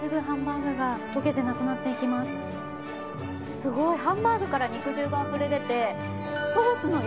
すごいハンバーグから肉汁があふれ出て。